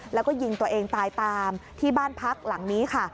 แล้วก็ยิงตัวเองตายตามที่บ้านพักหลังนี้ค่ะ